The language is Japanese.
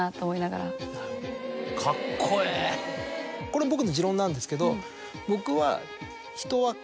これ僕の持論なんですけど僕は。